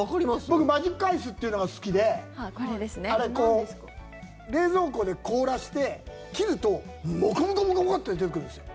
僕マジックアイスというのが好きであれ、冷蔵庫で凍らせて切るとモコモコモコモコって出てくるんですよ。